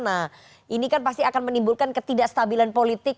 nah ini kan pasti akan menimbulkan ketidakstabilan politik